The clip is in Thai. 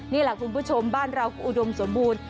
นี่แหละคุณผู้ชมบ้านเราก็อุดมสมบูรณ์